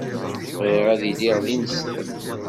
Bɣiɣ ad iliɣ d ineslem.